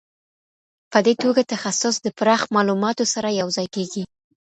په دې توګه تخصص د پراخ معلوماتو سره یو ځای کیږي.